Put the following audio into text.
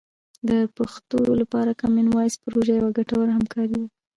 د پښتو لپاره کامن وایس پروژه یوه ګټوره همکاري ده.